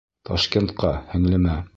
Ташкентҡа, һеңлемә.